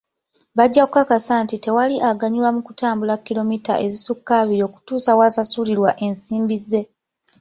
Bajja kukakasa nti tewali aganyulwa mu kutambula kiromita ezisukka ebiri okutuuka w'asasulirwa ensimbi ze.